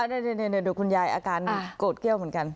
เดี๋ยวคุณยายอาการโกรธเกี้ยวเหมือนกัน